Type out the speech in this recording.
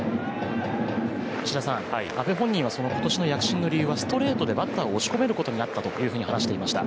阿部本人は今年の躍進の理由はストレートでバッターを押し込めるようになったことにあったと話していました。